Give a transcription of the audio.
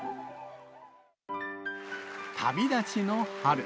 旅立ちの春。